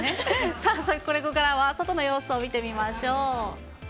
さあ、ここからは外の様子を見てみましょう。